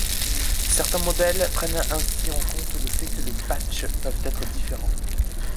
Certains modèles prennent ainsi en compte le fait que les patchs peuvent être différents.